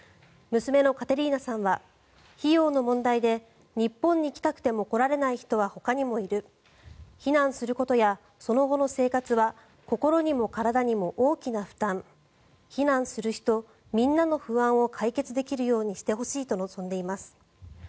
娘のカテリーナさんは費用の問題で日本に来たくても来られない人はほかにもいる避難することやその後の生活は心にも体にも大きな負担避難する人みんなの不安を解決できるようにしてほしいと望んでいます。